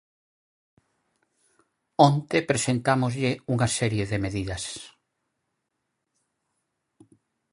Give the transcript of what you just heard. Onte presentámoslle unha serie de medidas.